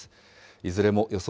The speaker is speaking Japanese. いずれも予想